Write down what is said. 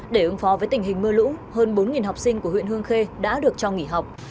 để ứng phó với tình hình mưa lũ hơn bốn học sinh của huyện hương khê đã được cho nghỉ học